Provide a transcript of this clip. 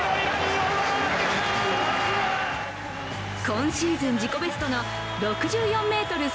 今シーズン自己ベストの６４ｍ３２。